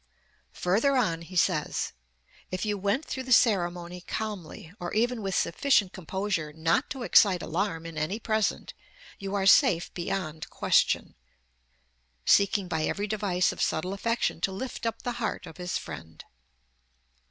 Further on he says: "If you went through the ceremony calmly, or even with sufficient composure not to excite alarm in any present, you are safe beyond question," seeking by every device of subtle affection to lift up the heart of his friend.